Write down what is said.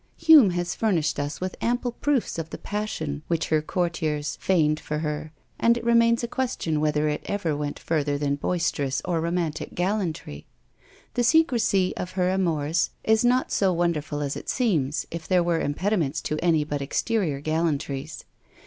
Hume has furnished us with ample proofs of the passion which her courtiers feigned for her, and it remains a question whether it ever went further than boisterous or romantic gallantry. The secrecy of her amours is not so wonderful as it seems, if there were impediments to any but exterior gallantries.